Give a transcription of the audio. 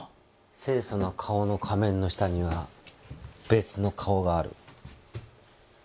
清楚な顔の仮面の下には別の顔がある。